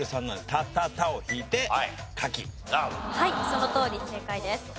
そのとおり正解です。